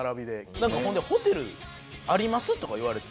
なんかほんで「ホテルあります」とか言われて。